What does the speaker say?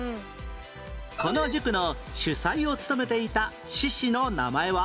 この塾の主宰を務めていた志士の名前は？